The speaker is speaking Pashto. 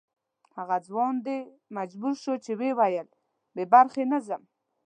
هغه ځوان دې ته مجبور شو چې ویې ویل بې خي نه ځم.